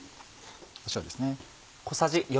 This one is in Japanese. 塩ですね。